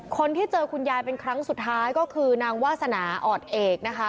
คนที่เจอคุณยายเป็นครั้งสุดท้ายก็คือนางวาสนาออดเอกนะคะ